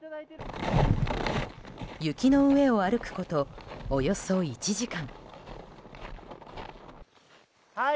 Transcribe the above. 雪の上を歩くことおよそ１時間。